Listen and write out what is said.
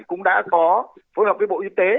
cũng đã có phối hợp với bộ y tế